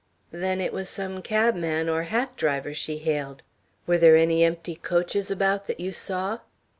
"Then it was some cabman or hack driver she hailed. Were there any empty coaches about that you saw?"